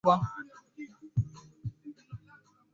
na hata lugha zao zinafanana kwa kiasi kikubwa